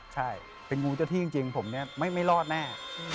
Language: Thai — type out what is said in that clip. ใช่เป็นงูเจ้าที่จริงผมเนี่ยไม่รอดแน่